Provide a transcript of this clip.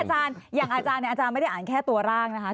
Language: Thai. อาจารย์อย่างอาจารย์เนี่ยอาจารย์ไม่ได้อ่านแค่ตัวร่างนะคะ